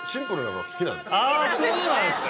あぁそうなんですね。